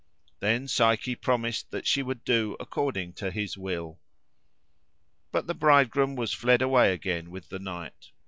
Then Psyche promised that she would do according to his will. But the bridegroom was fled away again with the night.